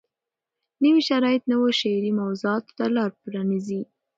نوي شرایط نویو شعري موضوعاتو ته لار پرانیزي.